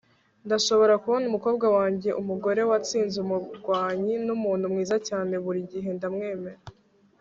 ndashobora kubona umukobwa wanjye umugore watsinze, umurwanyi, numuntu mwiza cyane. buri gihe ndamwemera